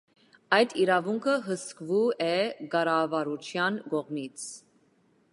Այդ իրավունքը հսկվու է կառավարության կողմից։